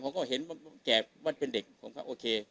พวกเจ๋ไปว่าเป็นเด็กผมก็โอเค